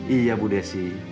iya ibu desi